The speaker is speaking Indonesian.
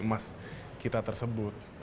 mas kita tersebut